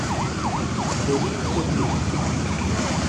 Delitto blu